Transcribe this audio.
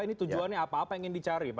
ini tujuannya apa apa yang ingin dicari